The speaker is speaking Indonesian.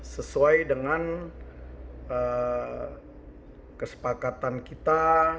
sesuai dengan kesepakatan kita